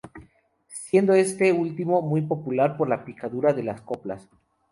Siendo este último muy popular por la picardía de las coplas.